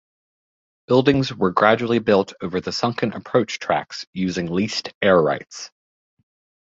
Buildings were gradually built over the sunken approach tracks using leased air rights.